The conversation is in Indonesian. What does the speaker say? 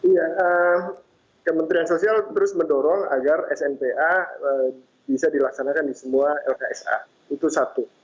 ya kementerian sosial terus mendorong agar snpa bisa dilaksanakan di semua lksa itu satu